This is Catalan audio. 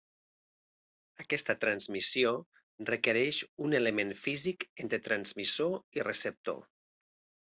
Aquesta transmissió requereix un element físic entre transmissor i receptor.